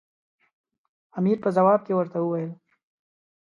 امیر په ځواب کې ورته وویل.